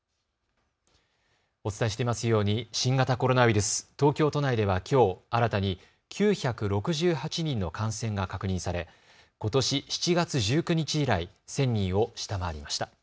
お伝えしていますように新型コロナウイルス、東京都内ではきょう、新たに９６８人の感染が確認されことし７月１９日以来、１０００人を下回りました。